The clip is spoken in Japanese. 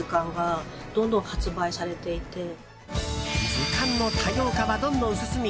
図鑑の多様化はどんどん進み